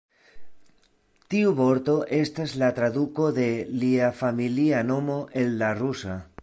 Tiu vorto estas la traduko de lia familia nomo el la rusa.